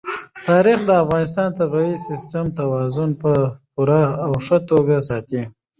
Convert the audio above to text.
تاریخ د افغانستان د طبعي سیسټم توازن په پوره او ښه توګه ساتي.